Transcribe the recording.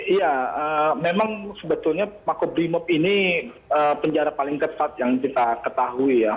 iya memang sebetulnya makobrimob ini penjara paling ketat yang kita ketahui ya